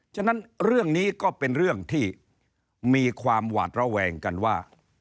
ฉะนั้นเรื่องนี้ก็เป็นเรื่องที่มีความหวาดระแวงกันว่า